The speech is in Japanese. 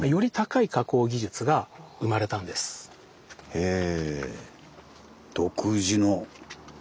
へえ。